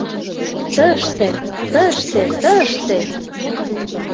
— Тыште, тыште, тыште!..